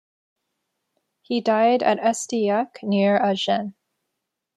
He died at Estillac near Agen.